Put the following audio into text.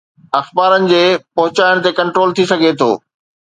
اخبارن جي پهچائڻ تي ڪنٽرول ٿي سگهي ٿو.